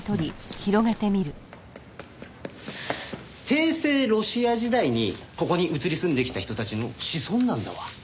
帝政ロシア時代にここに移り住んできた人たちの子孫なんだわ。